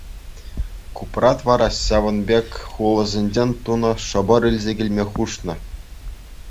Купрат вара ҫавӑн пек хулӑсенчен тунӑ шӑпӑр илсе килме хушнӑ.